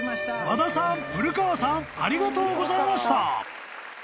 ［和田さん古川さんありがとうございました］